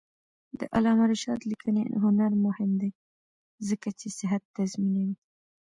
د علامه رشاد لیکنی هنر مهم دی ځکه چې صحت تضمینوي.